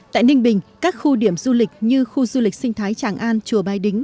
tại ninh bình các khu điểm du lịch như khu du lịch sinh thái tràng an chùa bái đính